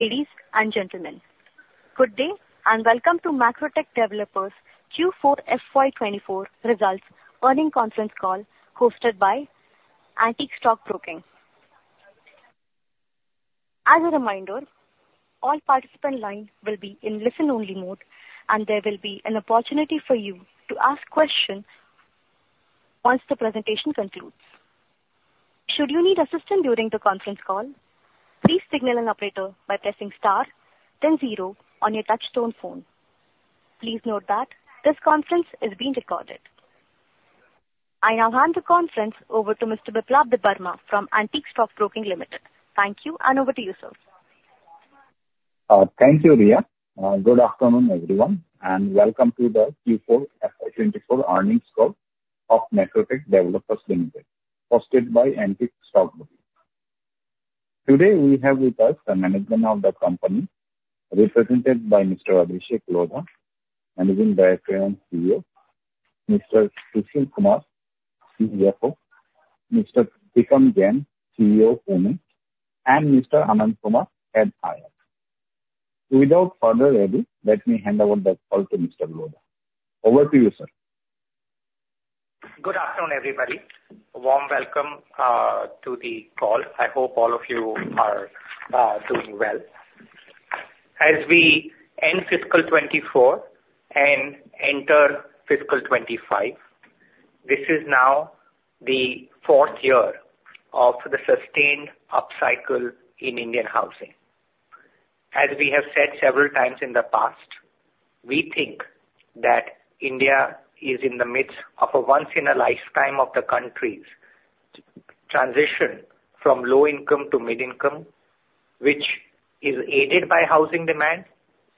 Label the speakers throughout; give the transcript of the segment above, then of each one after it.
Speaker 1: Ladies and gentlemen, good day, and welcome to Macrotech Developers Q4 FY 2024 results earnings conference call, hosted by Antique Stock Broking. As a reminder, all participant lines will be in listen-only mode, and there will be an opportunity for you to ask questions once the presentation concludes. Should you need assistance during the conference call, please signal an operator by pressing star, then zero on your touchtone phone. Please note that this conference is being recorded. I now hand the conference over to Mr. Biplab Debbarma from Antique Stock Broking Limited. Thank you, and over to you, sir.
Speaker 2: Thank you, Riya. Good afternoon, everyone, and welcome to the Q4 FY 2024 earnings call of Macrotech Developers Limited, hosted by Antique Stock Broking. Today, we have with us the management of the company, represented by Mr. Abhishek Lodha, Managing Director and CEO; Mr. Sushil Kumar, CFO; Mr. Tikam Jain, CEO - Pune; and Mr. Anand Kumar, Head IR. Without further ado, let me hand over the call to Mr. Lodha. Over to you, sir.
Speaker 3: Good afternoon, everybody. A warm welcome to the call. I hope all of you are doing well. As we end fiscal 2024 and enter fiscal 2025, this is now the fourth year of the sustained upcycle in Indian housing. As we have said several times in the past, we think that India is in the midst of a once-in-a-lifetime of the country's transition from low income to mid income, which is aided by housing demand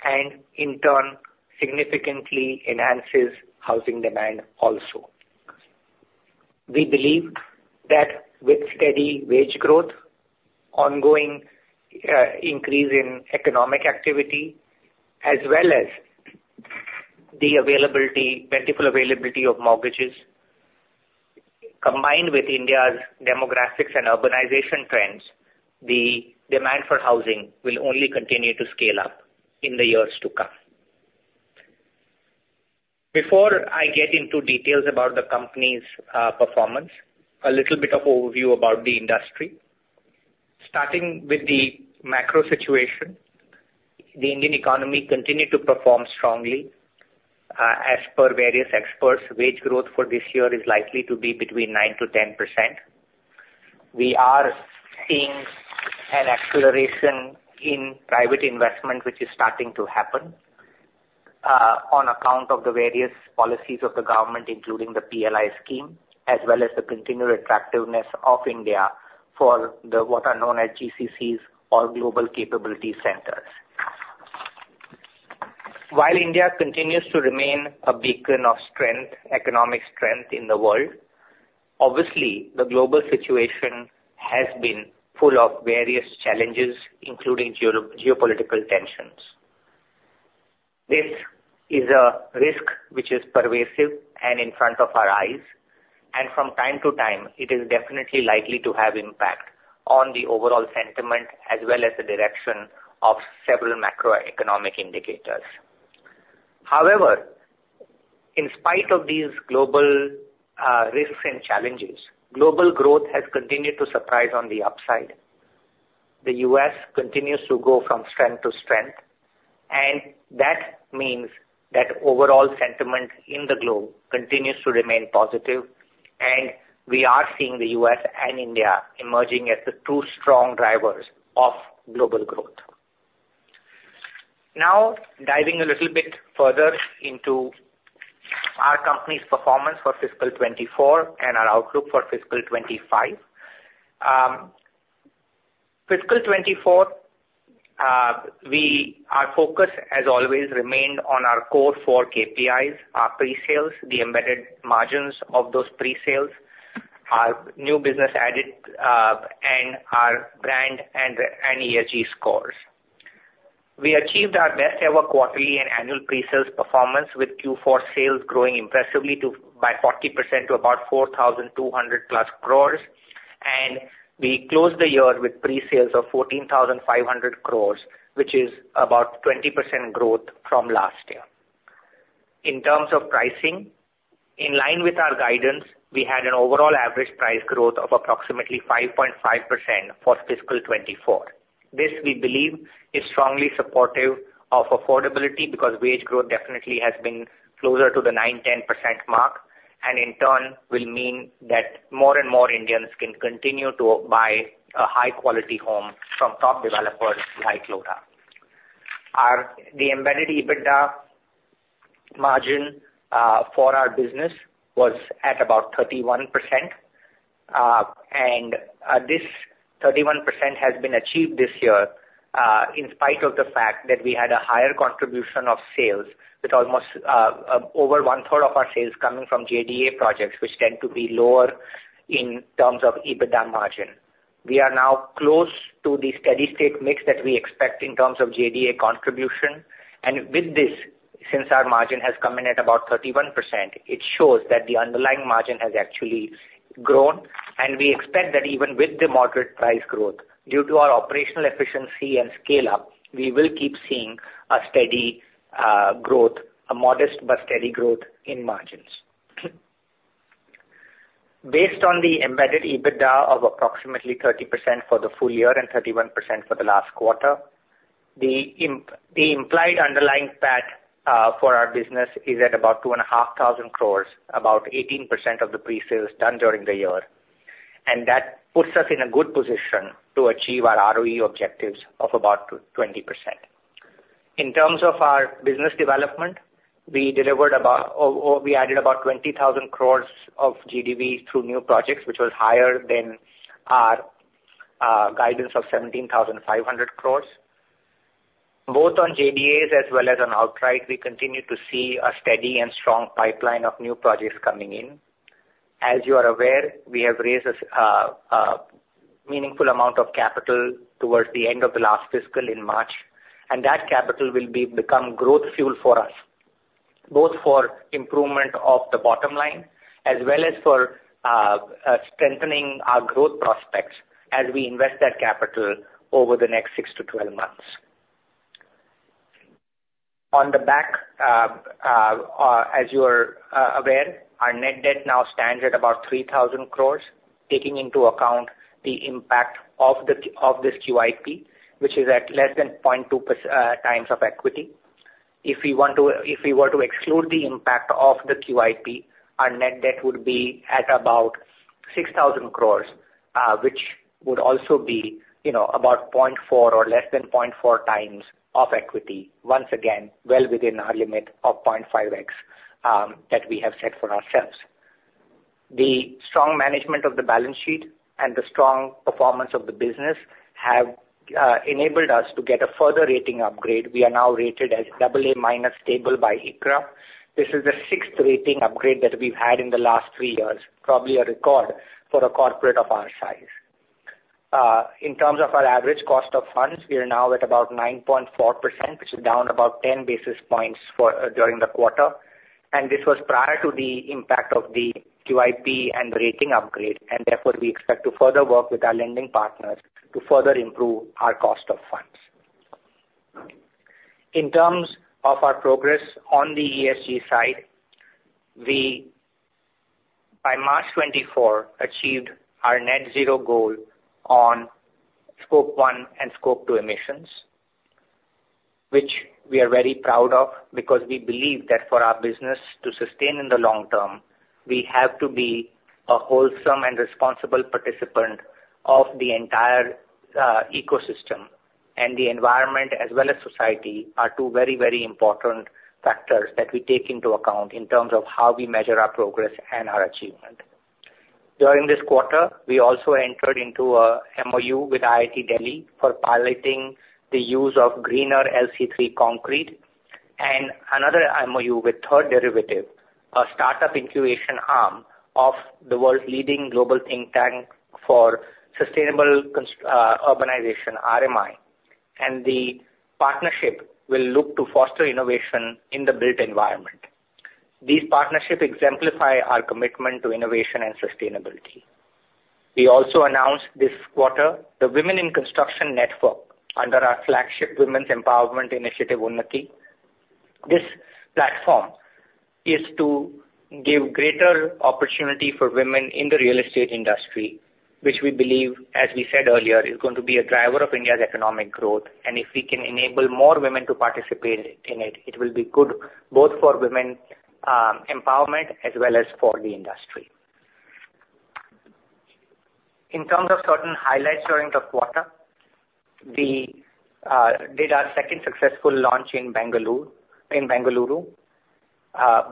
Speaker 3: and in turn significantly enhances housing demand also. We believe that with steady wage growth, ongoing increase in economic activity, as well as the availability, plentiful availability of mortgages, combined with India's demographics and urbanization trends, the demand for housing will only continue to scale up in the years to come. Before I get into details about the company's performance, a little bit of overview about the industry. Starting with the macro situation, the Indian economy continued to perform strongly. As per various experts, wage growth for this year is likely to be between 9%-10%. We are seeing an acceleration in private investment, which is starting to happen, on account of the various policies of the government, including the PLI scheme, as well as the continual attractiveness of India for the, what are known as GCCs or Global Capability Centers. While India continues to remain a beacon of strength, economic strength in the world, obviously, the global situation has been full of various challenges, including geopolitical tensions. This is a risk which is pervasive and in front of our eyes, and from time to time, it is definitely likely to have impact on the overall sentiment, as well as the direction of several macroeconomic indicators. However, in spite of these global risks and challenges, global growth has continued to surprise on the upside. The U.S. continues to go from strength to strength, and that means that overall sentiment in the globe continues to remain positive, and we are seeing the U.S. and India emerging as the two strong drivers of global growth. Now, diving a little bit further into our company's performance for fiscal 2024 and our outlook for fiscal 2025. Fiscal 2024, our focus has always remained on our core four KPIs, our pre-sales, the embedded margins of those pre-sales, our new business added, and our brand and ESG scores. We achieved our best ever quarterly and annual pre-sales performance, with Q4 sales growing impressively by 40% to about 4,200+ crore, and we closed the year with pre-sales of 14,500 crore, which is about 20% growth from last year. In terms of pricing, in line with our guidance, we had an overall average price growth of approximately 5.5% for fiscal 2024. This, we believe, is strongly supportive of affordability because wage growth definitely has been closer to the 9%-10% mark, and in turn will mean that more and more Indians can continue to buy a high-quality home from top developers like Lodha. Our embedded EBITDA margin for our business was at about 31%. This 31% has been achieved this year, in spite of the fact that we had a higher contribution of sales, with almost over one-third of our sales coming from JDA projects, which tend to be lower in terms of EBITDA margin. We are now close to the steady-state mix that we expect in terms of JDA contribution, and since our margin has come in at about 31%, it shows that the underlying margin has actually grown, and we expect that even with the moderate price growth, due to our operational efficiency and scale-up, we will keep seeing a steady growth, a modest but steady growth in margins. Based on the embedded EBITDA of approximately 30% for the full year and 31% for the last quarter, the implied underlying PAT for our business is at about 2,500 crore, about 18% of the pre-sales done during the year. And that puts us in a good position to achieve our ROE objectives of about twenty percent. In terms of our business development, we added about 20,000 crore of GDV through new projects, which was higher than our guidance of 17,500 crore. Both on JDAs as well as on outright, we continue to see a steady and strong pipeline of new projects coming in. As you are aware, we have raised a meaningful amount of capital towards the end of the last fiscal in March, and that capital will be become growth fuel for us, both for improvement of the bottom line as well as for strengthening our growth prospects as we invest that capital over the next six to 12 months. On the back, as you are aware, our net debt now stands at about 3,000 crore, taking into account the impact of the, of this QIP, which is at less than 0.2x of equity. If we want to -- If we were to exclude the impact of the QIP, our net debt would be at about 6,000 crore, which would also be, you know, about 0.4 or less than 0.4x of equity. Once again, well within our limit of 0.5x that we have set for ourselves. The strong management of the balance sheet and the strong performance of the business have enabled us to get a further rating upgrade. We are now rated as AA- Stable by ICRA. This is the sixth rating upgrade that we've had in the last three years, probably a record for a corporate of our size. In terms of our average cost of funds, we are now at about 9.4%, which is down about 10 basis points for during the quarter. And this was prior to the impact of the QIP and rating upgrade, and therefore, we expect to further work with our lending partners to further improve our cost of funds. In terms of our progress on the ESG side, we, by March 2024, achieved our net zero goal on Scope One and Scope Two emissions, which we are very proud of, because we believe that for our business to sustain in the long term, we have to be a wholesome and responsible participant of the entire ecosystem. The environment as well as society are two very, very important factors that we take into account in terms of how we measure our progress and our achievement. During this quarter, we also entered into a MOU with IIT Delhi for piloting the use of greener LC3 concrete, and another MOU with Third Derivative, a startup incubation arm of the world's leading global think tank for sustainable urbanization, RMI. The partnership will look to foster innovation in the built environment. These partnerships exemplify our commitment to innovation and sustainability. We also announced this quarter, the Women in Construction network, under our flagship Women's Empowerment Initiative, Unnati. This platform is to give greater opportunity for women in the real estate industry, which we believe, as we said earlier, is going to be a driver of India's economic growth. And if we can enable more women to participate in it, it will be good both for women, empowerment as well as for the industry. In terms of certain highlights during the quarter, we did our second successful launch in Bengaluru, in Bengaluru.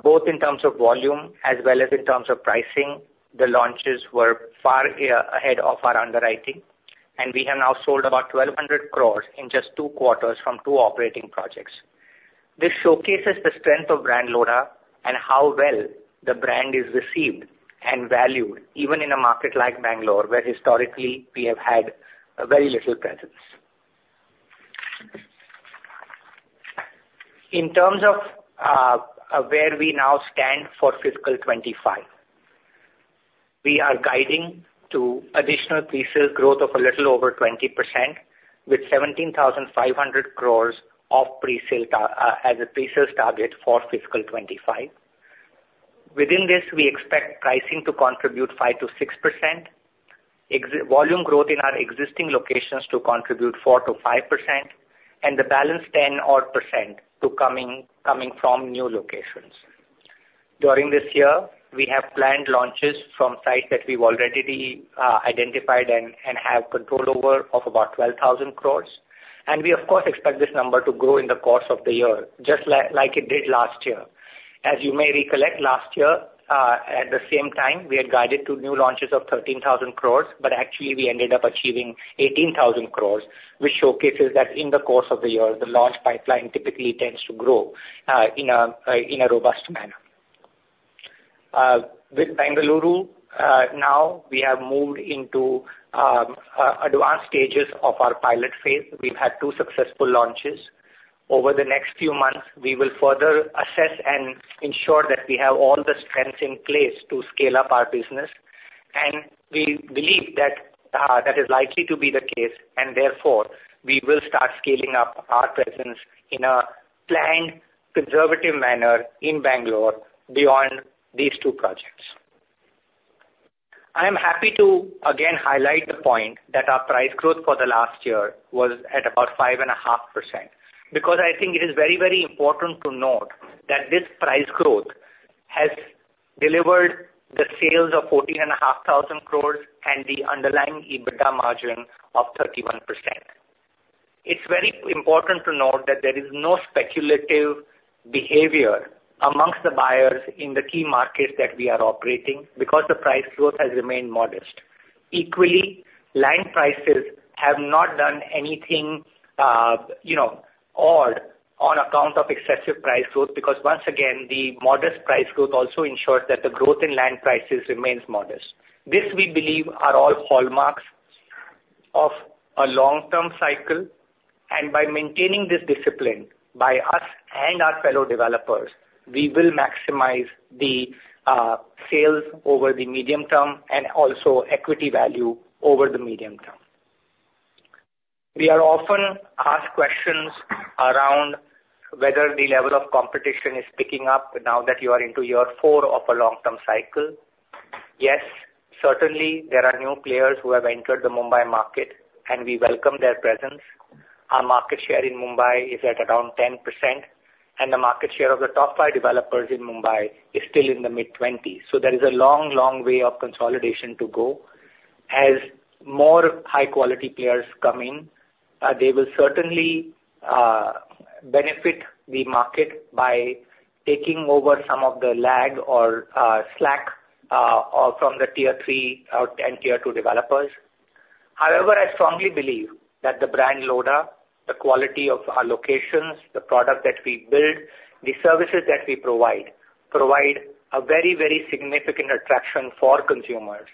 Speaker 3: Both in terms of volume as well as in terms of pricing, the launches were far ahead of our underwriting, and we have now sold about 1,200 crore in just two quarters from two operating projects. This showcases the strength of brand Lodha and how well the brand is received and valued, even in a market like Bangalore, where historically we have had very little presence. In terms of where we now stand for fiscal 2025, we are guiding to additional pre-sales growth of a little over 20%, with 17,500 crore as a pre-sales target for fiscal 2025. Within this, we expect pricing to contribute 5%-6%, volume growth in our existing locations to contribute 4%-5%, and the balance 10% or so coming from new locations. During this year, we have planned launches from sites that we've already identified and have control over of about 12,000 crore. We, of course, expect this number to grow in the course of the year, just like it did last year. As you may recollect, last year, at the same time, we had guided to new launches of 13,000 crore, but actually we ended up achieving 18,000 crore, which showcases that in the course of the year, the launch pipeline typically tends to grow in a robust manner. With Bengaluru, now we have moved into advanced stages of our pilot phase. We've had two successful launches. Over the next few months, we will further assess and ensure that we have all the strengths in place to scale up our business, and we believe that that is likely to be the case, and therefore, we will start scaling up our presence in a planned, conservative manner in Bangalore beyond these two projects. I'm happy to again highlight the point that our price growth for the last year was at about 5.5%, because I think it is very, very important to note that this price growth has delivered the sales of 14,500 crore and the underlying EBITDA margin of 31%. It's very important to note that there is no speculative behavior amongst the buyers in the key markets that we are operating, because the price growth has remained modest. Equally, land prices have not done anything, you know, odd on account of excessive price growth, because once again, the modest price growth also ensures that the growth in land prices remains modest. This, we believe, are all hallmarks of a long-term cycle, and by maintaining this discipline by us and our fellow developers, we will maximize the, sales over the medium term and also equity value over the medium term. We are often asked questions around whether the level of competition is picking up now that you are into year four of a long-term cycle. Yes, certainly, there are new players who have entered the Mumbai market, and we welcome their presence. Our market share in Mumbai is at around 10%, and the market share of the top five developers in Mumbai is still in the mid-twenties. So there is a long, long way of consolidation to go. As more high-quality players come in, they will certainly benefit the market by taking over some of the lag or slack from the Tier 3 and Tier 2 developers. However, I strongly believe that the brand Lodha, the quality of our locations, the product that we build, the services that we provide, provide a very, very significant attraction for consumers.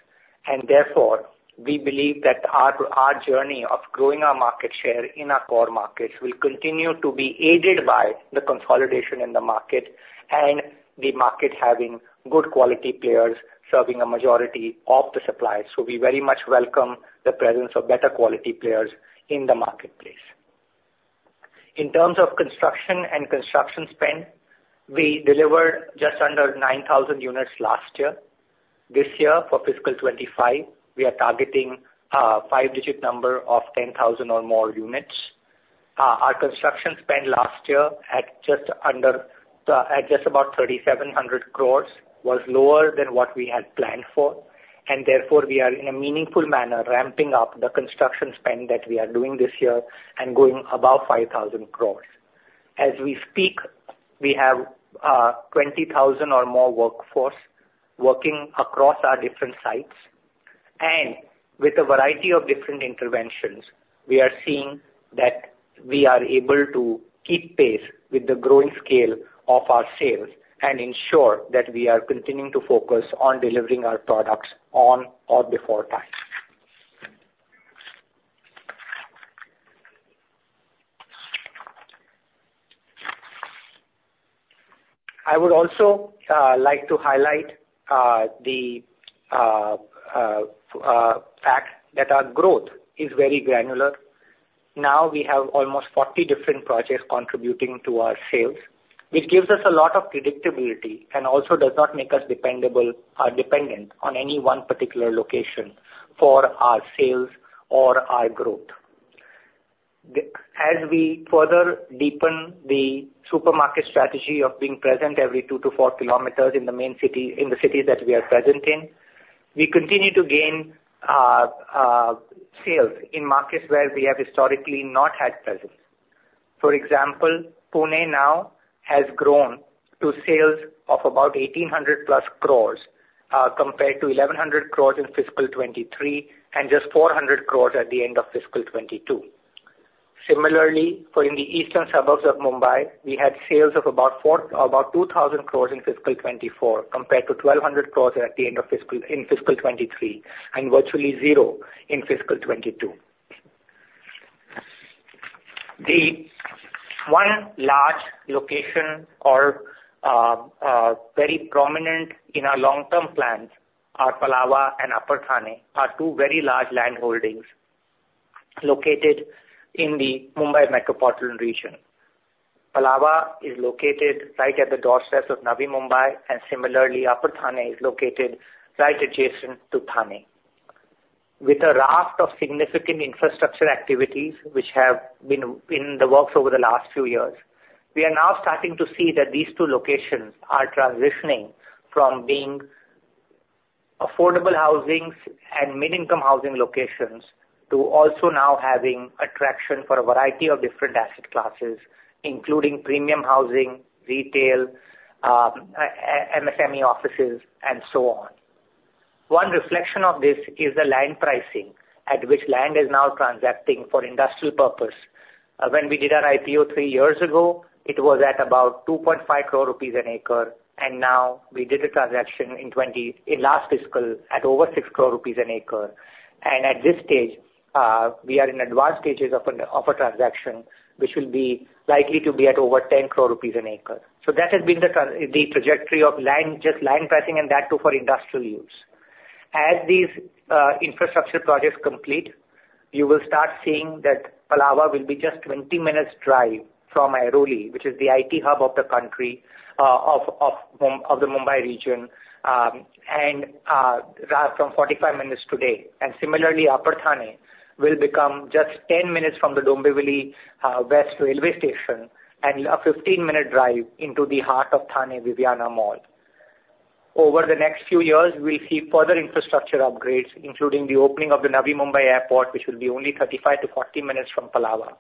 Speaker 3: And therefore, we believe that our, our journey of growing our market share in our core markets will continue to be aided by the consolidation in the market and the market having good quality players serving a majority of the suppliers. So we very much welcome the presence of better quality players in the marketplace. In terms of construction and construction spend, we delivered just under 9,000 units last year. This year, for fiscal 2025, we are targeting a five-digit number of 10,000 or more units. Our construction spend last year, at just about 3,700 crore, was lower than what we had planned for, and therefore, we are in a meaningful manner, ramping up the construction spend that we are doing this year and going above 5,000 crore. As we speak, we have 20,000 or more workforce working across our different sites, and with a variety of different interventions, we are seeing that we are able to keep pace with the growing scale of our sales and ensure that we are continuing to focus on delivering our products on or before time. I would also like to highlight the fact that our growth is very granular. Now we have almost 40 different projects contributing to our sales, which gives us a lot of predictability and also does not make us dependable, dependent on any one particular location for our sales or our growth. As we further deepen the supermarket strategy of being present every 2 km-4 km in the main city, in the cities that we are present in, we continue to gain sales in markets where we have historically not had presence. For example, Pune now has grown to sales of about 1,800+ crores, compared to 1,100 crores in fiscal 2023, and just 400 crores at the end of fiscal 2022. Similarly, for the eastern suburbs of Mumbai, we had sales of about 2,000 crore in fiscal 2024, compared to 1,200 crore at the end of fiscal, in fiscal 2023, and virtually zero in fiscal 2022. The one large location or very prominent in our long-term plans are Palava and Upper Thane, are two very large landholdings located in the Mumbai metropolitan region. Palava is located right at the doorstep of Navi Mumbai, and similarly, Upper Thane is located right adjacent to Thane. With a raft of significant infrastructure activities which have been in the works over the last few years, we are now starting to see that these two locations are transitioning from being affordable housings and mid-income housing locations to also now having attraction for a variety of different asset classes, including premium housing, retail, MSME offices and so on. One reflection of this is the land pricing, at which land is now transacting for industrial purpose. When we did our IPO three years ago, it was at about 2.5 crore rupees an acre, and now we did a transaction in last fiscal at over 6 crore rupees an acre. At this stage, we are in advanced stages of a transaction, which will be likely to be at over 10 crore rupees an acre. So that has been the trajectory of land, just land pricing, and that too, for industrial use. As these infrastructure projects complete, you will start seeing that Palava will be just 20 minutes drive from Airoli, which is the IT hub of the country of the Mumbai region, and rather from 45 minutes today. And similarly, Upper Thane will become just 10 minutes from the Dombivli West Railway Station and a 15-minute drive into the heart of Thane, Viviana Mall. Over the next few years, we'll see further infrastructure upgrades, including the opening of the Navi Mumbai Airport, which will be only 35-40 minutes from Palava.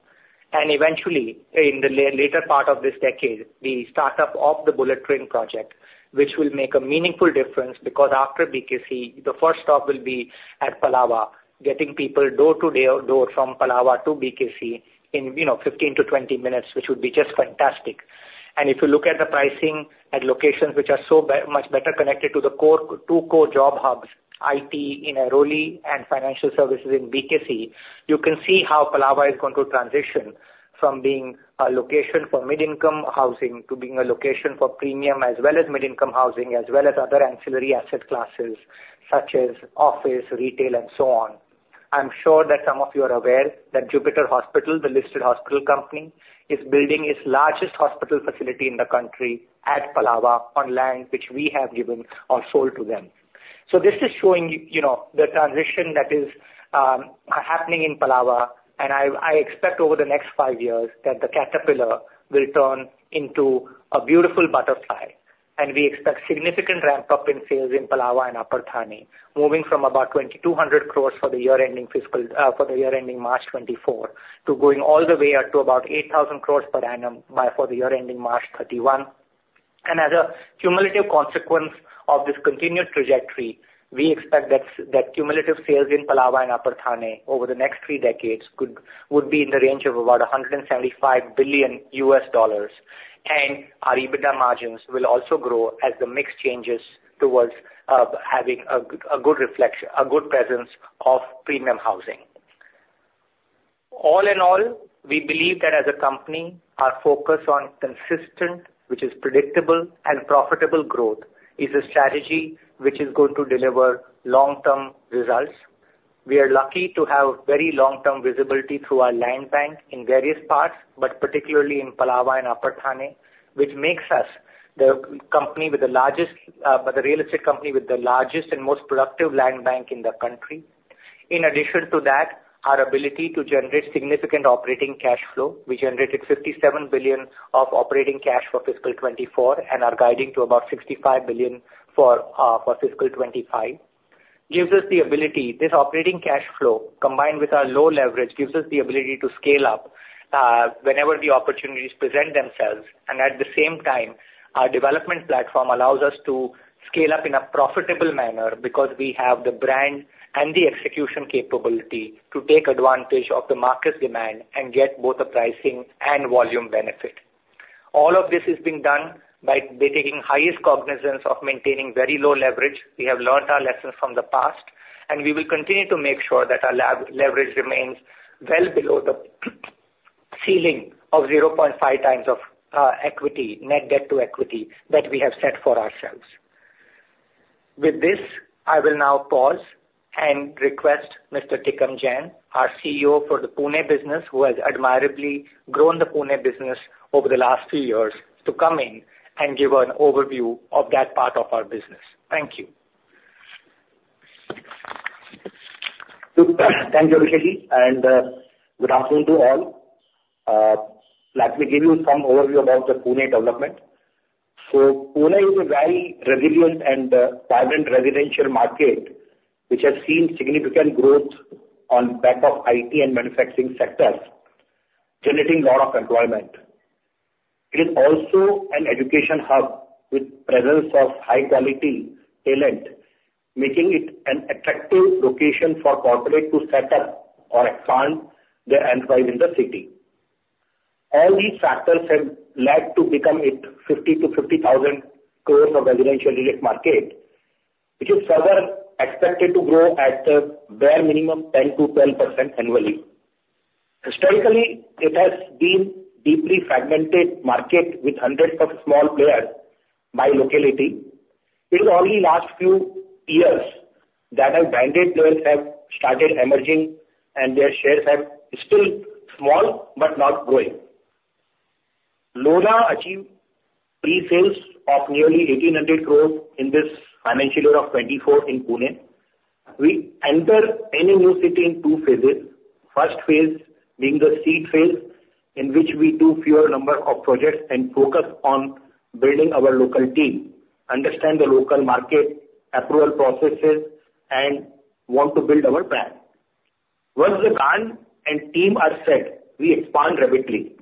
Speaker 3: Eventually, in the later part of this decade, the startup of the bullet train project, which will make a meaningful difference, because after BKC, the first stop will be at Palava, getting people door to door from Palava to BKC in, you know, 15-20 minutes, which would be just fantastic. And if you look at the pricing and locations, which are so much better connected to the core, two core job hubs, IT in Airoli and financial services in BKC, you can see how Palava is going to transition from being a location for mid-income housing to being a location for premium, as well as mid-income housing, as well as other ancillary asset classes, such as office, retail and so on. I'm sure that some of you are aware that Jupiter Hospital, the listed hospital company, is building its largest hospital facility in the country at Palava on land, which we have given or sold to them. So this is showing, you know, the transition that is happening in Palava, and I, I expect over the next five years that the caterpillar will turn into a beautiful butterfly. And we expect significant ramp-up in sales in Palava and Upper Thane, moving from about 2,200 crore for the year ending fiscal for the year ending March 2024, to going all the way up to about 8,000 crore per annum by for the year ending March 2031. As a cumulative consequence of this continued trajectory, we expect that cumulative sales in Palava and Upper Thane over the next three decades would be in the range of about $175 billion, and our EBITDA margins will also grow as the mix changes towards, having a good reflection, a good presence of premium housing. All in all, we believe that as a company, our focus on consistent, which is predictable and profitable growth, is a strategy which is going to deliver long-term results. We are lucky to have very long-term visibility through our land bank in various parts, but particularly in Palava and Upper Thane, which makes us the company with the largest, the real estate company with the largest and most productive land bank in the country. In addition to that, our ability to generate significant operating cash flow. We generated 57 billion of operating cash for fiscal 2024, and are guiding to about 65 billion for fiscal 2025, gives us the ability. This operating cash flow, combined with our low leverage, gives us the ability to scale up whenever the opportunities present themselves. And at the same time, our development platform allows us to scale up in a profitable manner, because we have the brand and the execution capability to take advantage of the market demand and get both the pricing and volume benefit. All of this is being done by taking highest cognizance of maintaining very low leverage. We have learned our lessons from the past, and we will continue to make sure that our leverage remains well below the ceiling of 0.5 times of equity, net debt to equity, that we have set for ourselves. With this, I will now pause and request Mr. Tikam Jain, our CEO for the Pune business, who has admirably grown the Pune business over the last few years, to come in and give an overview of that part of our business. Thank you.
Speaker 4: Thank you, Abhishekji, and good afternoon to all. Let me give you some overview about the Pune development. Pune is a very resilient and vibrant residential market, which has seen significant growth on back of IT and manufacturing sectors, generating a lot of employment. It is also an education hub with presence of high quality talent, making it an attractive location for corporate to set up or expand their enterprise in the city. All these factors have led to become it 50 crore-50,000 crore residential real estate market, which is further expected to grow at a bare minimum, 10%-12% annually. Historically, it has been deeply fragmented market with hundreds of small players by locality. It is only last few years that our branded players have started emerging and their shares are still small, but now growing. Lodha achieved pre-sales of nearly 1,800 crores in this financial year of 2024 in Pune. We enter any new city in two phases: first phase, being the seed phase, in which we do fewer number of projects and focus on building our local team, understand the local market, approval processes, and want to build our brand. Once the land and team are set, we expand rapidly.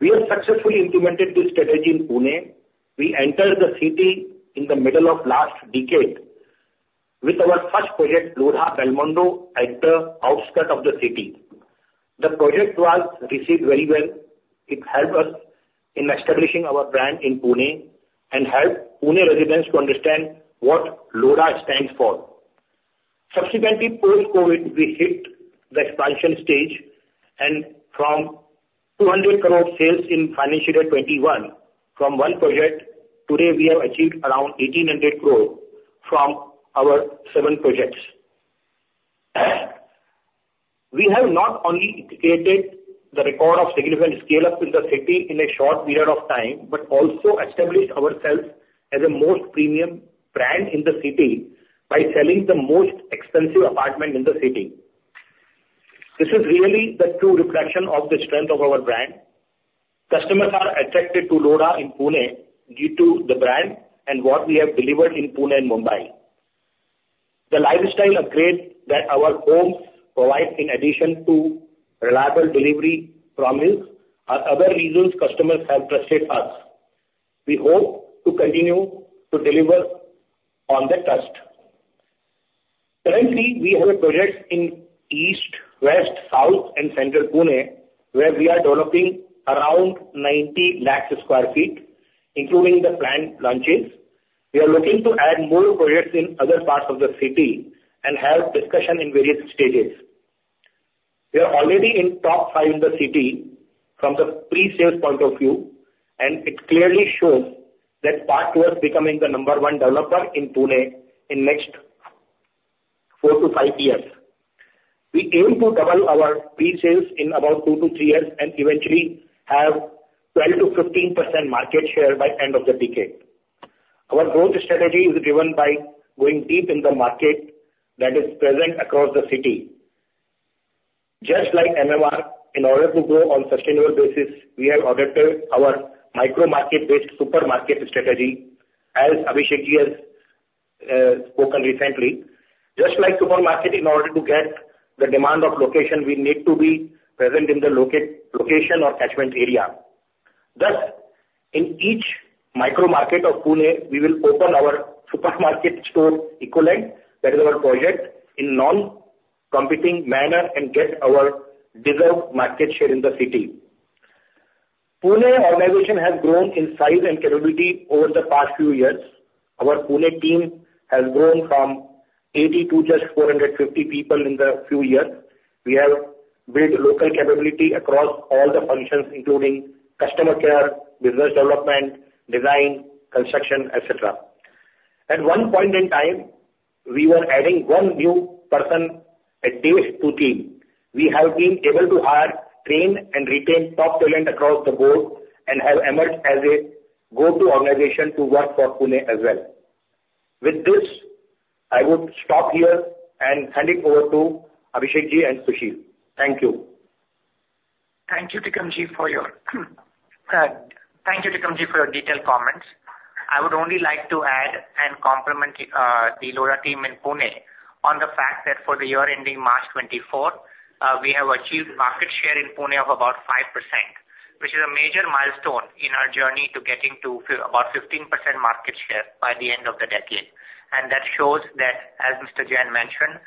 Speaker 4: We have successfully implemented this strategy in Pune. We entered the city in the middle of last decade with our first project, Lodha Belmondo, at the outskirts of the city. The project was received very well. It helped us in establishing our brand in Pune and helped Pune residents to understand what Lodha stands for. Subsequently, post-COVID, we hit the expansion stage and from 200 crore sales in financial year 2021 from one project, today we have achieved around 1,800 crore from our seven projects. We have not only created the record of significant scale-up in the city in a short period of time, but also established ourselves as the most premium brand in the city by selling the most expensive apartment in the city. This is really the true reflection of the strength of our brand. Customers are attracted to Lodha in Pune due to the brand and what we have delivered in Pune and Mumbai. The lifestyle upgrade that our homes provide, in addition to reliable delivery promise, are other reasons customers have trusted us. We hope to continue to deliver on that trust. Currently, we have projects in east, west, south and central Pune, where we are developing around 90 lakh square feet, including the planned launches. We are looking to add more projects in other parts of the city and have discussion in various stages. We are already in top five in the city from the pre-sales point of view, and it clearly shows that path towards becoming the number one developer in Pune in next four to five years. We aim to double our pre-sales in about two to three years and eventually have 12%-15% market share by end of the decade. Our growth strategy is driven by going deep in the market that is present across the city. Just like MMR, in order to grow on sustainable basis, we have adapted our micro market-based supermarket strategy, as Abhishek Ji has spoken recently. Just like supermarket, in order to get the demand of location, we need to be present in the location or catchment area. Thus, in each micro market of Pune, we will open our supermarket store equivalent, that is our project, in non-competing manner and get our deserved market share in the city. Pune organization has grown in size and capability over the past few years. Our Pune team has grown from 80 to just 450 people in the few years. We have built local capability across all the functions, including customer care, business development, design, construction, et cetera. At one point in time, we were adding one new person a day to team. We have been able to hire, train and retain top talent across the board and have emerged as a go-to organization to work for Pune as well. With this, I would stop here and hand it over to Abhishek Ji and Sushil. Thank you.
Speaker 3: Thank you, Tikam Jain, for your detailed comments. I would only like to add and compliment the Lodha team in Pune on the fact that for the year ending March 2024, we have achieved market share in Pune of about 5%, which is a major milestone in our journey to getting to about 15% market share by the end of the decade. And that shows that, as Mr. Jain mentioned,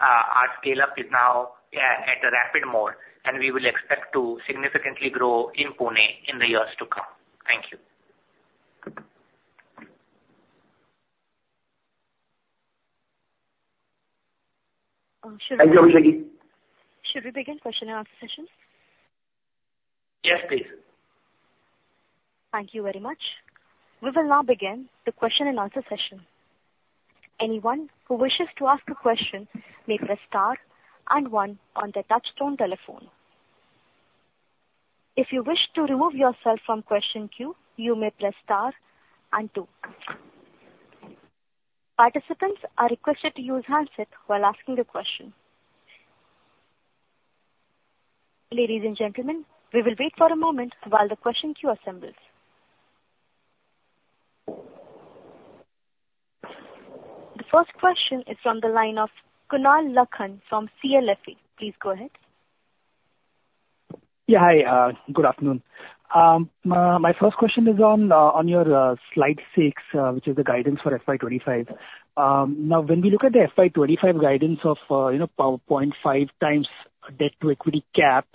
Speaker 3: our scale-up is now at a rapid mode, and we will expect to significantly grow in Pune in the years to come. Thank you.
Speaker 4: Thank you, Abhishek.
Speaker 1: Should we begin? Should we begin question and answer session?
Speaker 3: Yes, please.
Speaker 1: Thank you very much. We will now begin the question and answer session. Anyone who wishes to ask a question may press star and one on their touchtone telephone. If you wish to remove yourself from question queue, you may press star and two. Participants are requested to use handset while asking the question. Ladies and gentlemen, we will wait for a moment while the question queue assembles. The first question is from the line of Kunal Lakhan from CLSA. Please go ahead.
Speaker 5: Yeah, hi, good afternoon. My first question is on your slide six, which is the guidance for FY 2025. Now, when we look at the FY 2025 guidance of, you know, 0.5x debt-to-equity cap,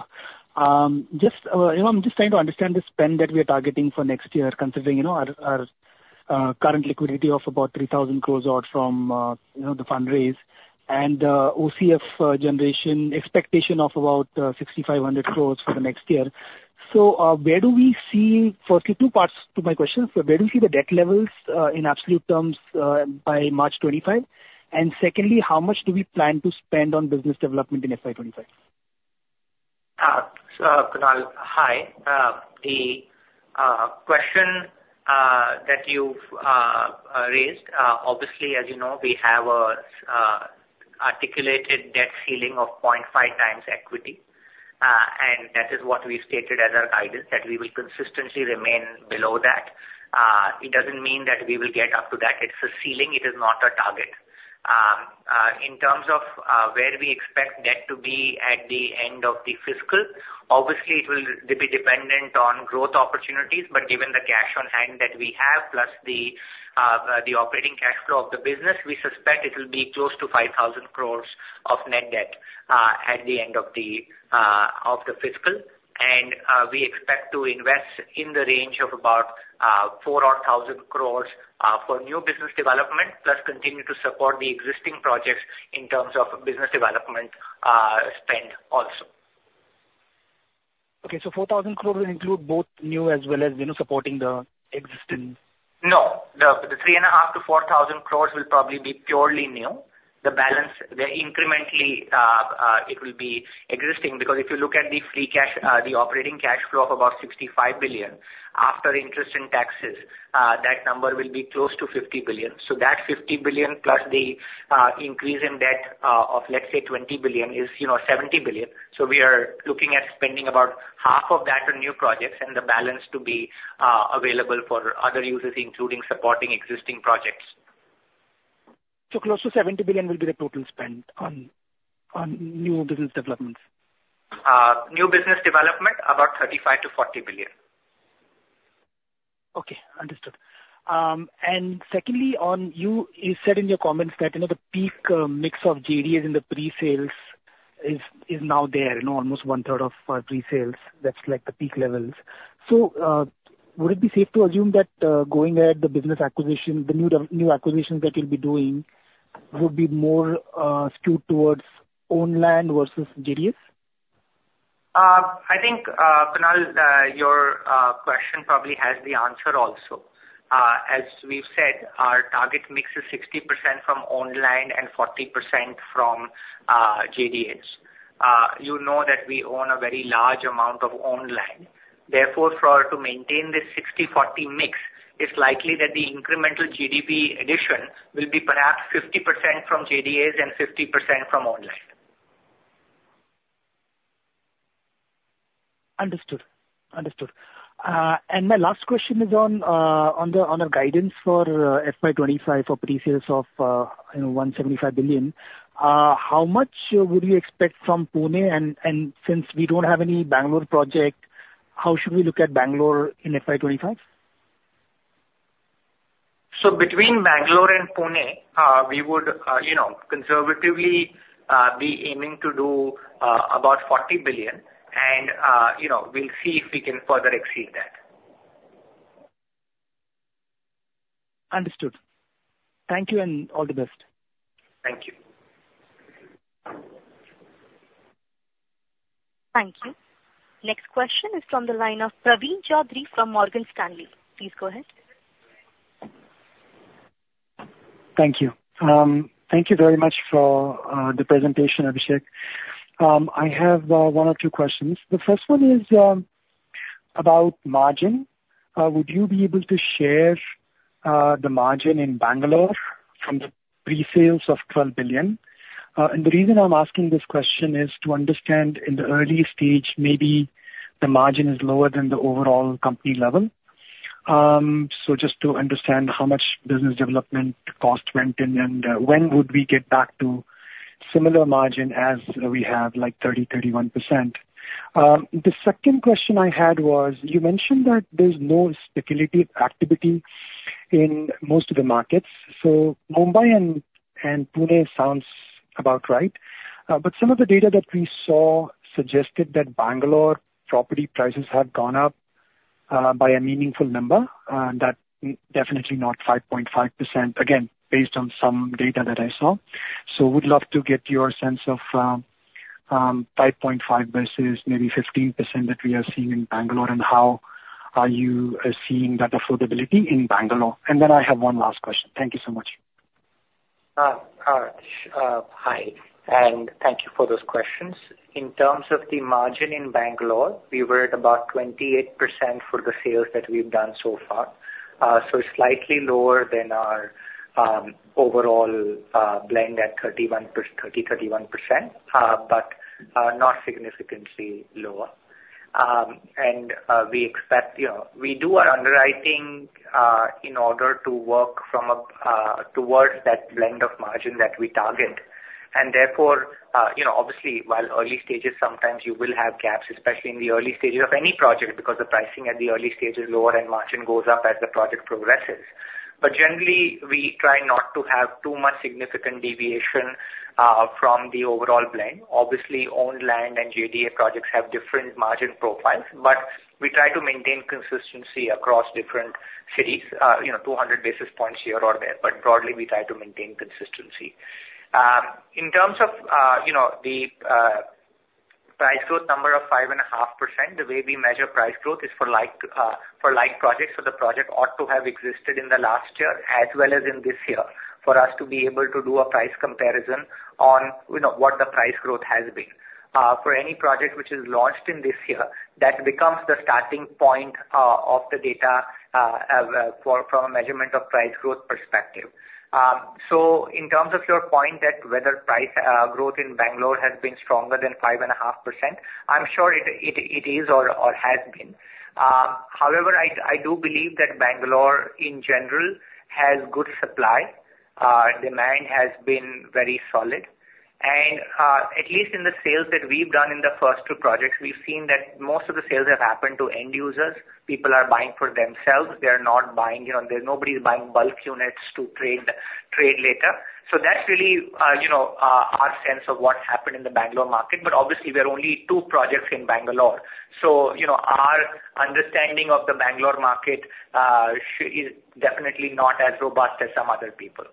Speaker 5: just, you know, I'm just trying to understand the spend that we are targeting for next year, considering, you know, our current liquidity of about 3,000 crore out from the fundraise and OCF generation expectation of about 6,500 crore for the next year. So, where do we see... firstly, two parts to my question: So where do you see the debt levels in absolute terms by March 2025? And secondly, how much do we plan to spend on business development in FY 2025?
Speaker 3: So Kunal, hi. The question that you've raised, obviously, as you know, we have articulated a debt ceiling of 0.5x equity, and that is what we stated as our guidance, that we will consistently remain below that. It doesn't mean that we will get up to that. It's a ceiling, it is not a target. In terms of where we expect debt to be at the end of the fiscal, obviously, it will be dependent on growth opportunities, but given the cash on hand that we have, plus the operating cash flow of the business, we suspect it will be close to 5,000 crore of net debt, at the end of the fiscal. We expect to invest in the range of about 4,000 crore for new business development, plus continue to support the existing projects in terms of business development spend also.
Speaker 5: Okay, so 4,000 crore will include both new as well as, you know, supporting the existing?
Speaker 3: No. The 3.5 crore-4,000 crore will probably be purely new. The balance, the incrementally, it will be existing. Because if you look at the free cash, the operating cash flow of about 65 billion, after interest and taxes, that number will be close to 50 billion. So that 50 billion, plus the increase in debt of, let's say, 20 billion, is, you know, 70 billion. So we are looking at spending about INR 35 billion on new projects, and the balance to be available for other uses, including supporting existing projects.
Speaker 5: Close to 70 billion will be the total spend on new business developments?
Speaker 3: New business development, about 35 billion-40 billion.
Speaker 5: Okay, understood. And secondly, on, you said in your comments that, you know, the peak mix of JDAs in the pre-sales is now there, you know, almost one third of pre-sales. That's like the peak levels. So, would it be safe to assume that, going ahead, the business acquisition, the new acquisitions that you'll be doing would be more skewed towards owned land versus JDAs?
Speaker 3: I think, Kunal, your question probably has the answer also. As we've said, our target mix is 60% from owned land and 40% from JDAs. You know that we own a very large amount of owned land. Therefore, for us to maintain this 60/40 mix, it's likely that the incremental GDV addition will be perhaps 50% from JDAs and 50% from owned land.
Speaker 5: Understood. Understood. And my last question is on the guidance for FY 2025, for pre-sales of, you know, 175 billion. How much would you expect from Pune? And since we don't have any Bangalore project, how should we look at Bangalore in FY 2025?
Speaker 3: Between Bangalore and Pune, you know, conservatively, we would be aiming to do about 40 billion. You know, we'll see if we can further exceed that.
Speaker 5: Understood. Thank you and all the best.
Speaker 3: Thank you.
Speaker 1: Thank you. Next question is from the line of Praveen Choudhary from Morgan Stanley. Please go ahead.
Speaker 6: Thank you. Thank you very much for the presentation, Abhishek. I have one or two questions. The first one is about margin. Would you be able to share the margin in Bangalore from the pre-sales of 12 billion? And the reason I'm asking this question is to understand, in the early stage, maybe the margin is lower than the overall company level. So just to understand how much business development cost went in, and when would we get back to similar margin as we have, like 30%-31%? The second question I had was, you mentioned that there's more stable activity in most of the markets, so Mumbai and Pune sounds about right. But some of the data that we saw suggested that Bangalore property prices have gone up, by a meaningful number, and that definitely not 5.5%. Again, based on some data that I saw. So would love to get your sense of, 5.5 versus maybe 15% that we are seeing in Bangalore, and how are you, seeing that affordability in Bangalore? And then I have one last question. Thank you so much.
Speaker 3: Hi, and thank you for those questions. In terms of the margin in Bangalore, we were at about 28% for the sales that we've done so far. So slightly lower than our overall blend at 31%, 30%, 31%, but not significantly lower. And we expect... You know, we do our underwriting in order to work from a towards that blend of margin that we target. And therefore, you know, obviously, while early stages, sometimes you will have gaps, especially in the early stages of any project, because the pricing at the early stage is lower and margin goes up as the project progresses. But generally, we try not to have too much significant deviation from the overall blend. Obviously, owned land and JDA projects have different margin profiles, but we try to maintain consistency across different cities. You know, 200 basis points here or there, but broadly, we try to maintain consistency. In terms of, you know, the price growth number of 5.5%, the way we measure price growth is for like projects. So the project ought to have existed in the last year as well as in this year, for us to be able to do a price comparison on, you know, what the price growth has been. For any project which is launched in this year, that becomes the starting point of the data from a measurement of price growth perspective. So in terms of your point that whether price growth in Bangalore has been stronger than 5.5%, I'm sure it is or has been. However, I do believe that Bangalore in general has good supply, demand has been very solid. And at least in the sales that we've done in the first two projects, we've seen that most of the sales have happened to end users. People are buying for themselves, they are not buying, you know, there's nobody buying bulk units to trade later. So that's really, you know, our sense of what happened in the Bangalore market. But obviously, we are only two projects in Bangalore, so, you know, our understanding of the Bangalore market is definitely not as robust as some other people.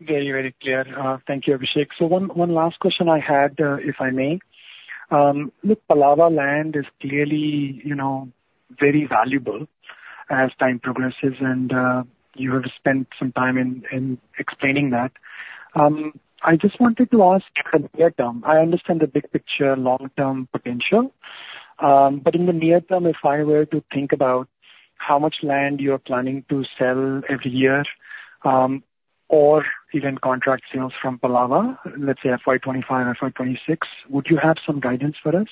Speaker 6: Very, very clear. Thank you, Abhishek. So one, one last question I had, if I may. Look, Palava land is clearly, you know, very valuable as time progresses, and you have spent some time in explaining that. I just wanted to ask in the near term, I understand the big picture, long-term potential. But in the near term, if I were to think about how much land you're planning to sell every year, or even contract sales from Palava, let's say FY 2025, FY 2026, would you have some guidance for us?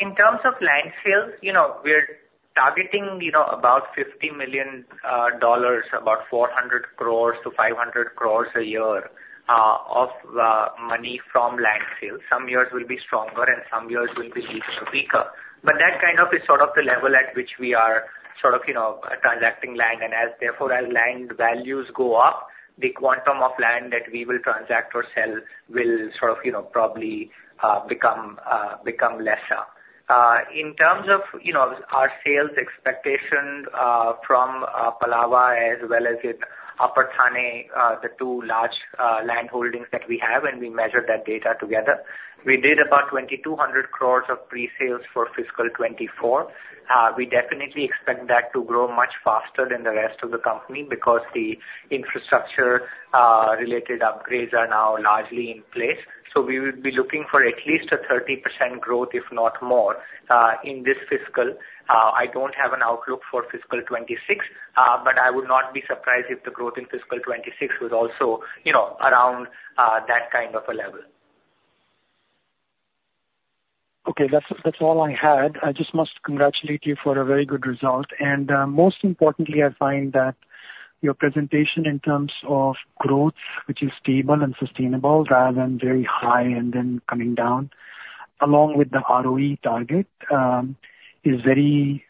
Speaker 3: In terms of land sales, you know, we're targeting, you know, about $50 million, about 400 crore-500 crore a year, of money from land sales. Some years will be stronger and some years will be little weaker. But that kind of is sort of the level at which we are sort of, you know, transacting land. And as therefore, as land values go up, the quantum of land that we will transact or sell will sort of, you know, probably become lesser. In terms of, you know, our sales expectations, from Palava as well as with Upper Thane, the two large land holdings that we have, and we measure that data together. We did about 2,200 crore of pre-sales for fiscal 2024. We definitely expect that to grow much faster than the rest of the company because the infrastructure, related upgrades are now largely in place. So we will be looking for at least a 30% growth, if not more, in this fiscal. I don't have an outlook for fiscal 2026, but I would not be surprised if the growth in fiscal 2026 was also, you know, around, that kind of a level.
Speaker 6: Okay. That's, that's all I had. I just must congratulate you for a very good result. Most importantly, I find that your presentation in terms of growth, which is stable and sustainable rather than very high and then coming down, along with the ROE target, is very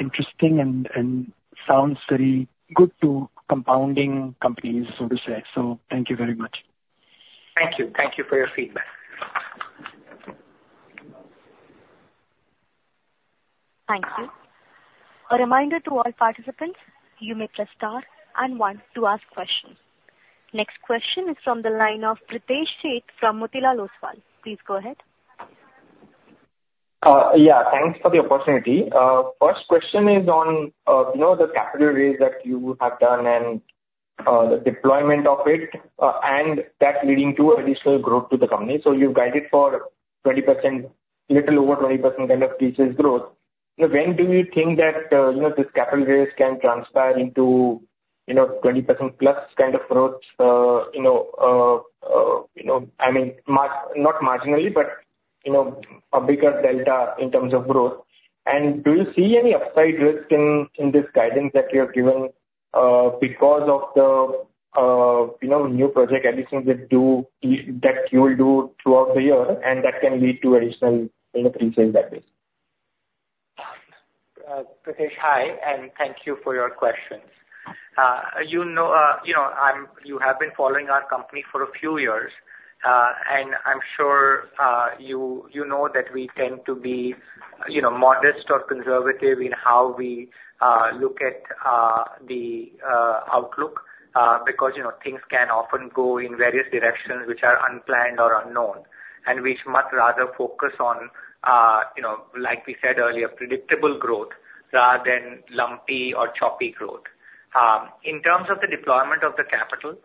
Speaker 6: interesting and sounds very good to compounding companies, so to say. So thank you very much.
Speaker 3: Thank you. Thank you for your feedback.
Speaker 1: Thank you. A reminder to all participants, you may press star and one to ask questions. Next question is from the line of Pritesh Sheth from Motilal Oswal. Please go ahead.
Speaker 7: Yeah, thanks for the opportunity. First question is on, you know, the capital raise that you have done and, the deployment of it, and that's leading to additional growth to the company. So you've guided for 20%, little over 20% kind of pre-sales growth. You know, when do you think that, you know, this capital raise can transpire into, you know, 20%+ kind of growth? You know, I mean, marg- not marginally, but you know, a bigger delta in terms of growth. And do you see any upside risk in, in this guidance that you have given, because of the, you know, new project additions that do, that you will do throughout the year and that can lead to additional, you know, pre-sale guidance?
Speaker 3: Pritesh, hi, and thank you for your questions. You know, you know, you have been following our company for a few years, and I'm sure, you know that we tend to be, you know, modest or conservative in how we look at the outlook, because, you know, things can often go in various directions which are unplanned or unknown, and we much rather focus on, you know, like we said earlier, predictable growth rather than lumpy or choppy growth. In terms of the deployment of the capital,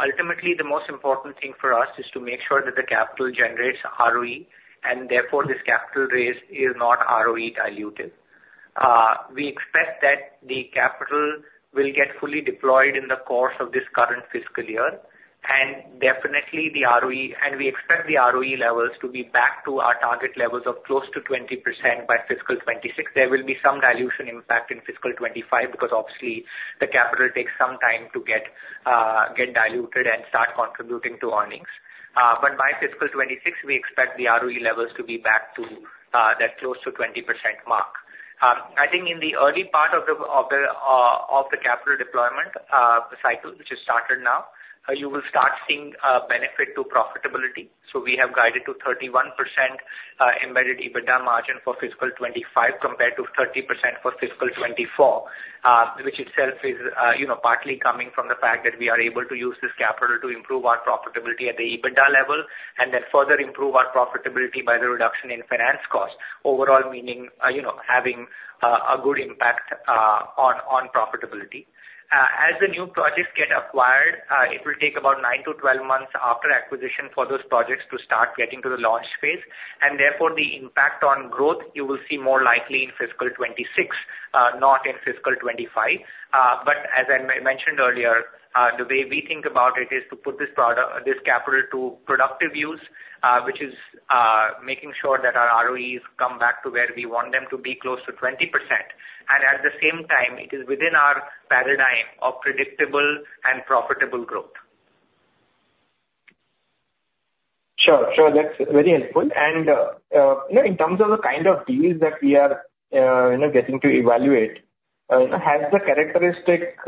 Speaker 3: ultimately, the most important thing for us is to make sure that the capital generates ROE, and therefore this capital raise is not ROE dilutive. We expect that the capital will get fully deployed in the course of this current fiscal year, and definitely the ROE levels to be back to our target levels of close to 20% by fiscal 2026. There will be some dilution impact in fiscal 2025, because obviously, the capital takes some time to get diluted and start contributing to earnings. But by fiscal 2026, we expect the ROE levels to be back to that close to 20% mark. I think in the early part of the capital deployment cycle, which has started now, you will start seeing benefit to profitability. So we have guided to 31%, embedded EBITDA margin for fiscal 2025, compared to 30% for fiscal 2024, which itself is, you know, partly coming from the fact that we are able to use this capital to improve our profitability at the EBITDA level, and then further improve our profitability by the reduction in finance costs. Overall, meaning, you know, having, a good impact, on, on profitability. As the new projects get acquired, it will take about nine to 12 months after acquisition for those projects to start getting to the launch phase, and therefore, the impact on growth, you will see more likely in fiscal 2026, not in fiscal 2025. But as I mentioned earlier, the way we think about it is to put this product, this capital to productive use, which is making sure that our ROEs come back to where we want them to be, close to 20%. And at the same time, it is within our paradigm of predictable and profitable growth.
Speaker 7: Sure, sure. That's very helpful. And, you know, in terms of the kind of deals that we are, you know, getting to evaluate, has the characteristic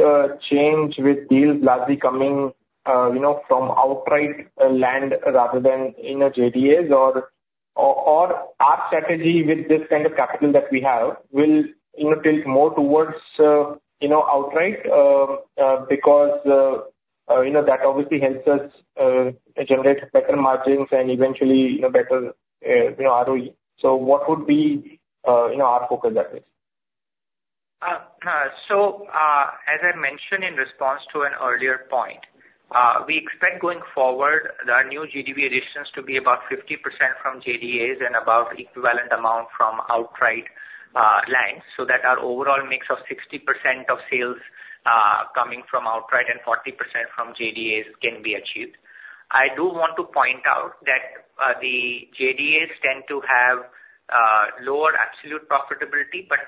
Speaker 7: changed with deals largely coming, you know, from outright land rather than in a JDAs? Or, or, or our strategy with this kind of capital that we have will, you know, tilt more towards, you know, outright, because, you know, that obviously helps us generate better margins and eventually, you know, better ROE. So what would be, you know, our focus at this?
Speaker 3: So, as I mentioned in response to an earlier point, we expect going forward, our new GDV additions to be about 50% from JDAs and about equivalent amount from outright lands, so that our overall mix of 60% of sales coming from outright and 40% from JDAs can be achieved. I do want to point out that the JDAs tend to have lower absolute profitability, but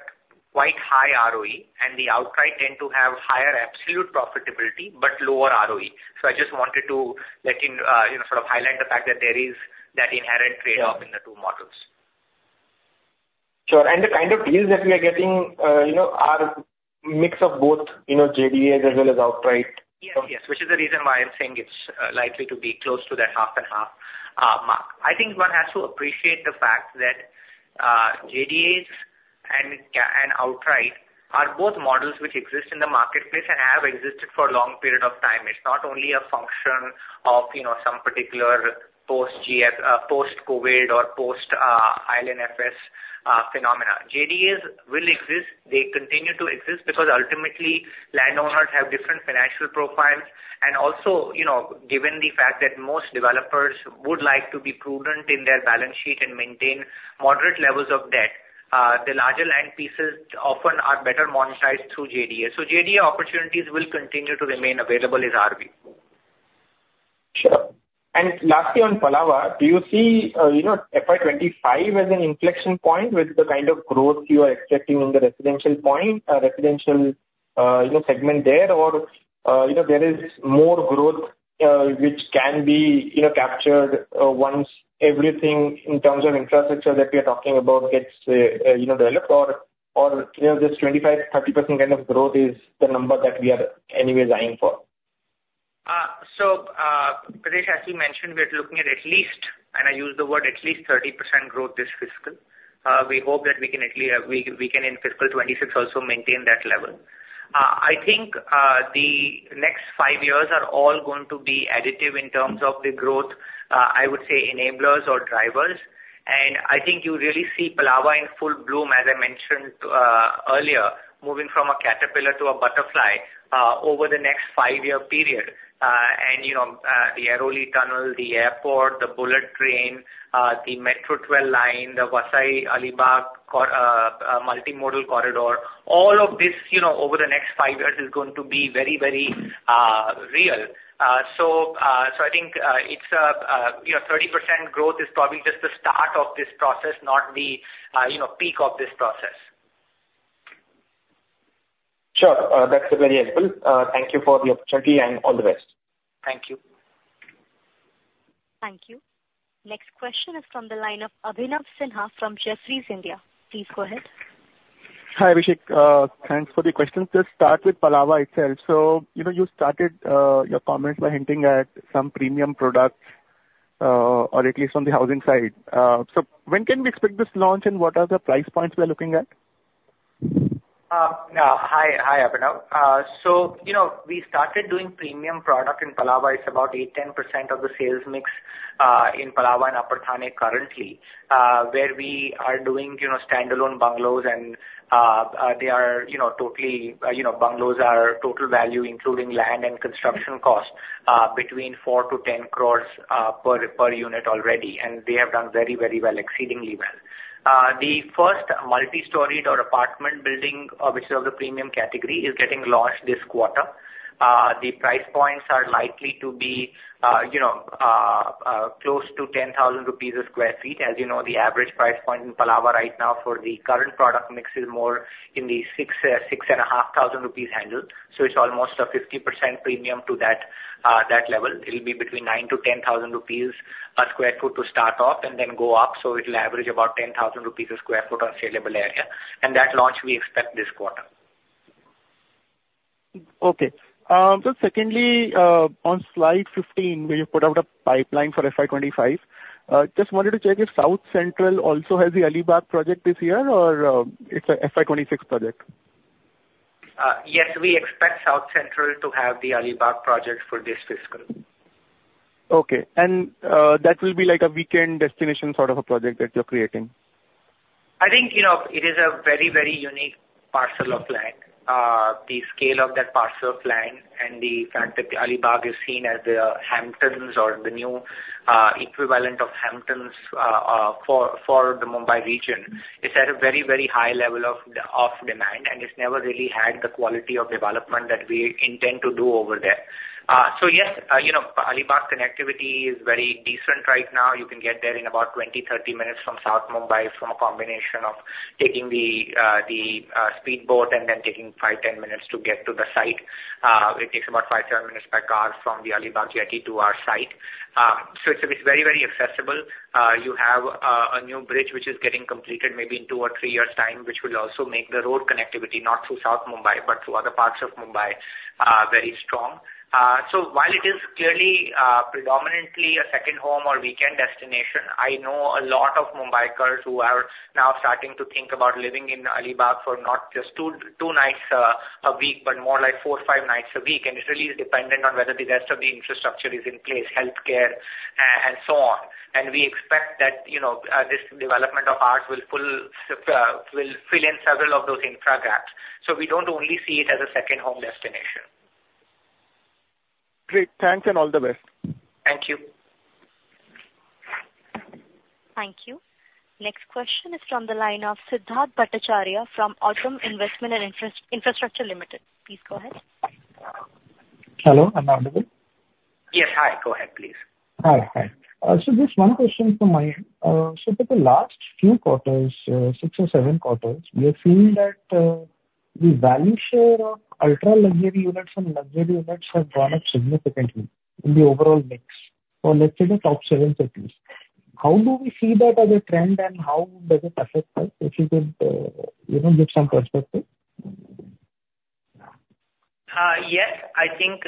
Speaker 3: quite high ROE, and the outright tend to have higher absolute profitability, but lower ROE. So I just wanted to let you, you know, sort of highlight the fact that there is that inherent trade-off.
Speaker 7: Yeah.
Speaker 3: - in the two models.
Speaker 7: Sure. And the kind of deals that we are getting, you know, are mix of both, you know, JDAs as well as outright?
Speaker 3: Yes, yes. Which is the reason why I'm saying it's likely to be close to that half and half mark. I think one has to appreciate the fact that JDAs and and outright are both models which exist in the marketplace and have existed for a long period of time. It's not only a function of, you know, some particular post-GFC post-COVID, or post IL&FS phenomena. JDAs will exist. They continue to exist because ultimately, landowners have different financial profiles. And also, you know, given the fact that most developers would like to be prudent in their balance sheet and maintain moderate levels of debt the larger land pieces often are better monetized through JDA. So JDA opportunities will continue to remain available in RB.
Speaker 7: Sure. Lastly, on Palava, do you see, you know, FY 2025 as an inflection point with the kind of growth you are expecting in the residential segment there? Or, you know, there is more growth, which can be, you know, captured, once everything in terms of infrastructure that we are talking about gets, you know, developed, or, you know, this 25%-30% kind of growth is the number that we are anyway vying for?
Speaker 3: So, Pritesh, as you mentioned, we are looking at at least, and I use the word at least, 30% growth this fiscal. We hope that we can at least, we can in fiscal 2026 also maintain that level. I think the next five years are all going to be additive in terms of the growth, I would say enablers or drivers. And I think you really see Palava in full bloom, as I mentioned earlier, moving from a caterpillar to a butterfly over the next five-year period. And, you know, the Airoli Tunnel, the airport, the bullet train, the Metro 12 line, the Vasai-Alibag multimodal corridor, all of this, you know, over the next five years is going to be very, very real. So, so I think it's, you know, 30% growth is probably just the start of this process, not the, you know, peak of this process.
Speaker 7: Sure. That's very helpful. Thank you for the opportunity, and all the best.
Speaker 3: Thank you.
Speaker 1: Thank you. Next question is from the line of Abhinav Sinha from Jefferies India. Please go ahead.
Speaker 8: Hi, Abhishek. Thanks for the question. Just start with Palava itself. So, you know, you started your comments by hinting at some premium products, or at least on the housing side. So when can we expect this launch, and what are the price points we are looking at?
Speaker 3: Hi, Abhinav. So, you know, we started doing premium product in Palava. It's about 8%-10% of the sales mix in Palava and Upper Thane currently, where we are doing, you know, standalone bungalows and, they are, you know, totally. You know, bungalows are total value, including land and construction costs, between 4 crore-10 crore per unit already, and they have done very, very well, exceedingly well. The first multi-storied or apartment building, which is of the premium category, is getting launched this quarter. The price points are likely to be, you know, close to 10,000 rupees per square feet. As you know, the average price point in Palava right now for the current product mix is more in the 6,000-6,500 rupees handle. So it's almost a 50% premium to that, that level. It'll be between 9,000-10,000 rupees per square feet to start off and then go up, so it'll average about 10,000 rupees per square feet on saleable area. That launch, we expect this quarter....
Speaker 8: Okay. So secondly, on slide 15, where you put out a pipeline for FY 2025, just wanted to check if South Central also has the Alibag project this year, or, it's a FY 2026 project?
Speaker 3: Yes, we expect South Central to have the Alibag project for this fiscal.
Speaker 8: Okay. And, that will be like a weekend destination sort of a project that you're creating?
Speaker 3: I think, you know, it is a very, very unique parcel of land. The scale of that parcel of land and the fact that the Alibag is seen as the Hamptons or the new equivalent of Hamptons for the Mumbai region is at a very, very high level of demand, and it's never really had the quality of development that we intend to do over there. So yes, you know, Alibag connectivity is very decent right now. You can get there in about 20-30 minutes from South Mumbai, from a combination of taking the speedboat and then taking five to 10 minutes to get to the site. It takes about five to 10 minutes by car from the Alibag jetty to our site. So it's very, very accessible. You have a new bridge which is getting completed maybe in two or three years' time, which will also make the road connectivity, not through South Mumbai, but through other parts of Mumbai, very strong. So while it is clearly predominantly a second home or weekend destination, I know a lot of Mumbaikars who are now starting to think about living in Alibag for not just two, two nights a week, but more like four, five nights a week. And it really is dependent on whether the rest of the infrastructure is in place, healthcare, and so on. And we expect that, you know, this development of ours will pull, will fill in several of those infra gaps. So we don't only see it as a second home destination.
Speaker 8: Great! Thanks, and all the best.
Speaker 3: Thank you.
Speaker 1: Thank you. Next question is from the line of Siddharth Bhattacharya from Authum Investment and Infrastructure Limited. Please go ahead.
Speaker 9: Hello, am I audible?
Speaker 3: Yes. Hi. Go ahead, please.
Speaker 9: Hi. Hi. So just one question from my end. So for the last few quarters, six or seven quarters, we have seen that, the value share of ultra-luxury units and luxury units have gone up significantly in the overall mix for, let's say, the top seven cities. How do we see that as a trend, and how does it affect us? If you could, you know, give some perspective.
Speaker 3: Yes, I think,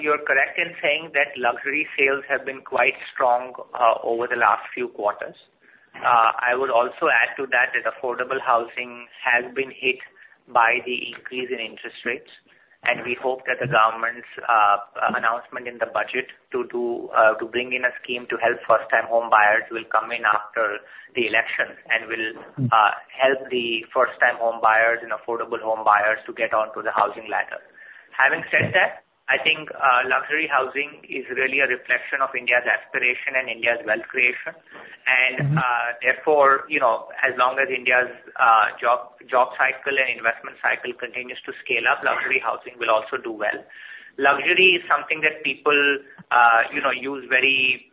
Speaker 3: you're correct in saying that luxury sales have been quite strong over the last few quarters. I would also add to that, that affordable housing has been hit by the increase in interest rates, and we hope that the government's announcement in the budget to bring in a scheme to help first-time homebuyers will come in after the elections, and will help the first-time homebuyers and affordable homebuyers to get onto the housing ladder. Having said that, I think, luxury housing is really a reflection of India's aspiration and India's wealth creation.
Speaker 9: Mm-hmm.
Speaker 3: Therefore, you know, as long as India's job, job cycle and investment cycle continues to scale up, luxury housing will also do well. Luxury is something that people, you know, use very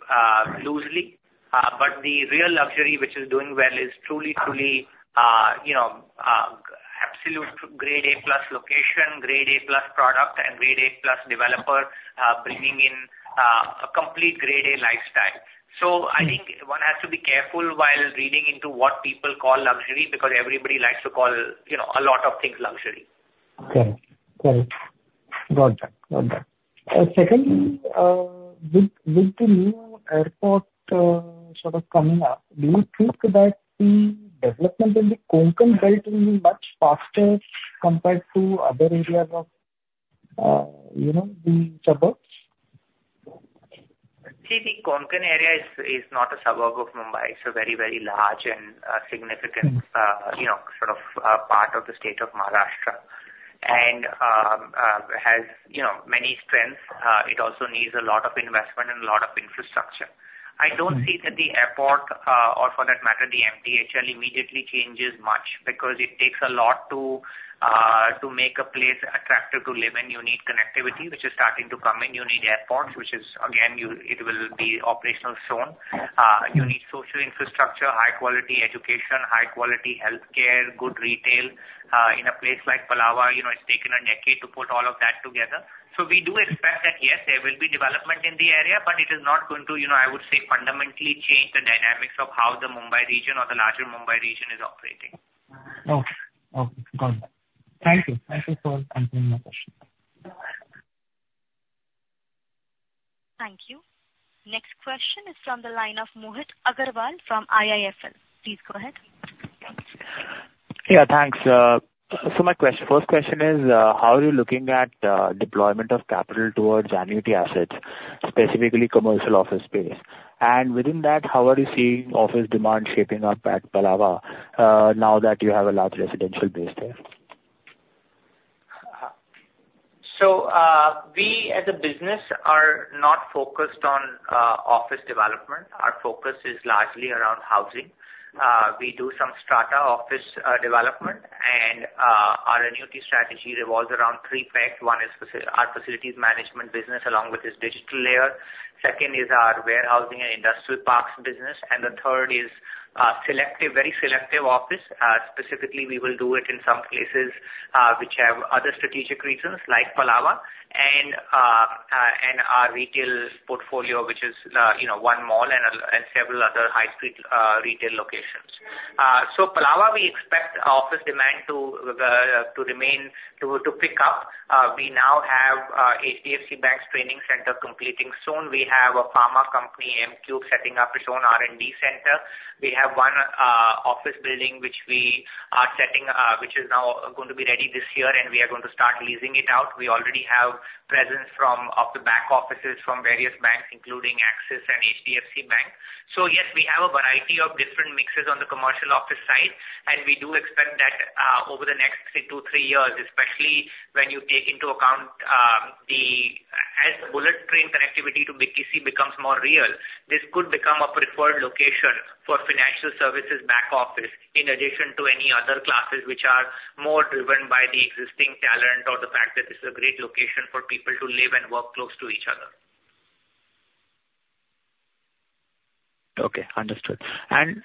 Speaker 3: loosely. But the real luxury which is doing well is truly, truly, you know, absolute grade A+ location, grade A+ product, and grade A+ developer, bringing in, a complete grade A lifestyle.
Speaker 9: Mm-hmm.
Speaker 3: I think one has to be careful while reading into what people call luxury, because everybody likes to call, you know, a lot of things luxury.
Speaker 9: Okay. Correct. Got that. Got that. Secondly, with the new airport, sort of coming up, do you think that the development in the Konkan belt will be much faster compared to other areas of, you know, the suburbs?
Speaker 3: See, the Konkan area is not a suburb of Mumbai. It's a very, very large and significant-
Speaker 9: Mm.
Speaker 3: You know, sort of, part of the state of Maharashtra and has, you know, many strengths. It also needs a lot of investment and a lot of infrastructure.
Speaker 9: Mm.
Speaker 3: I don't see that the airport, or for that matter, the MTHL, immediately changes much, because it takes a lot to make a place attractive to live in. You need connectivity, which is starting to come in. You need airports, which is again, it will be operational soon.
Speaker 9: Mm.
Speaker 3: You need social infrastructure, high quality education, high quality healthcare, good retail. In a place like Palava, you know, it's taken a decade to put all of that together. So we do expect that, yes, there will be development in the area, but it is not going to, you know, I would say, fundamentally change the dynamics of how the Mumbai region or the larger Mumbai region is operating.
Speaker 9: Okay. Okay, got that. Thank you. Thank you for answering my question.
Speaker 1: Thank you. Next question is from the line of Mohit Agrawal from IIFL. Please go ahead.
Speaker 10: Yeah, thanks. My first question is, how are you looking at deployment of capital towards annuity assets, specifically commercial office space? Within that, how are you seeing office demand shaping up at Palava, now that you have a large residential base there?
Speaker 3: So, we, as a business, are not focused on office development. Our focus is largely around housing. We do some strata office development, and our annuity strategy revolves around three parts. One is our facilities management business, along with its digital layer. Second is our warehousing and industrial parks business. And the third is selective, very selective office. Specifically, we will do it in some places which have other strategic reasons, like Palava, and our retail portfolio, which is, you know, one mall and several other high street retail locations. So Palava, we expect office demand to pick up. We now have HDFC Bank's training center completing soon. We have a pharma company, Encube, setting up its own R&D center. We have one office building, which we are setting, which is now going to be ready this year, and we are going to start leasing it out. We already have presence from off the back offices from various banks, including Axis Bank and HDFC Bank. So yes, we have a variety of different mixes on the commercial office side, and we do expect that over the next two to three years, especially when you take into account as the bullet train connectivity to BKC becomes more real, this could become a preferred location for financial services back office, in addition to any other classes which are more driven by the existing talent or the fact that this is a great location for people to live and work close to each other.
Speaker 10: Okay, understood. And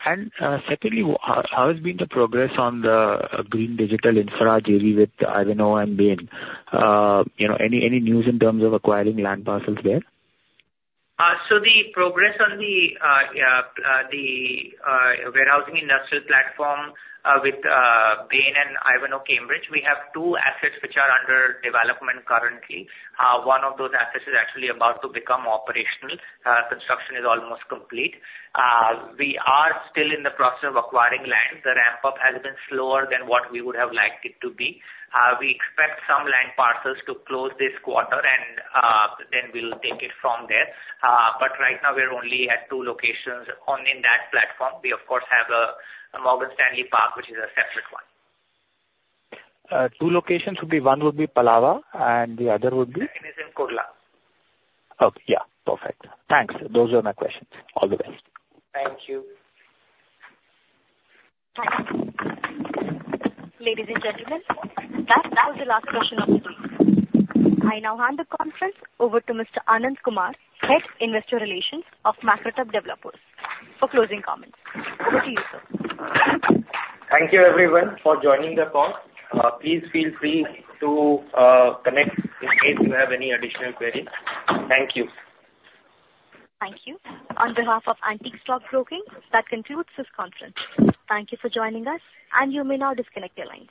Speaker 10: secondly, how has been the progress on the green digital infra JV with Ivanhoé and Bain? You know, any news in terms of acquiring land parcels there?
Speaker 3: So the progress on the warehousing industrial platform with Bain and Ivanhoé Cambridge, we have two assets which are under development currently. One of those assets is actually about to become operational. Construction is almost complete. We are still in the process of acquiring land. The ramp up has been slower than what we would have liked it to be. We expect some land parcels to close this quarter, and then we'll take it from there. But right now we're only at two locations in that platform. We of course have a Morgan Stanley Park, which is a separate one.
Speaker 10: Two locations would be, one would be Palava, and the other would be?
Speaker 3: One is in Kurla.
Speaker 10: Okay. Yeah, perfect. Thanks. Those are my questions. All the best.
Speaker 3: Thank you.
Speaker 1: Ladies and gentlemen, that was the last question on the queue. I now hand the conference over to Mr. Anand Kumar, Head Investor Relations of Macrotech Developers, for closing comments. Over to you, sir.
Speaker 11: Thank you, everyone, for joining the call. Please feel free to connect in case you have any additional queries. Thank you.
Speaker 1: Thank you. On behalf of Antique Stock Broking, that concludes this conference. Thank you for joining us, and you may now disconnect your lines.